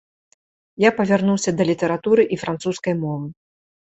Я павярнуўся да літаратуры і французскай мовы.